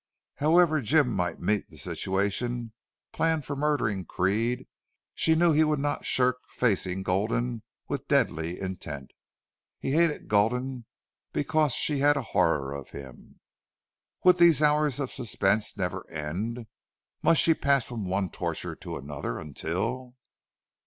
However Jim might meet the situation planned for murdering Creede, she knew he would not shirk facing Gulden with deadly intent. He hated Gulden because she had a horror of him. Would these hours of suspense never end? Must she pass from one torture to another until